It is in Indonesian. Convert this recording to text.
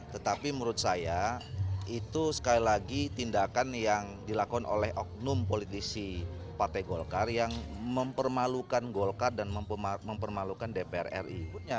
tetapi menurut saya itu sekali lagi tindakan yang dilakukan oleh oknum politisi partai golkar yang mempermalukan golkar dan mempermalukan dpr ri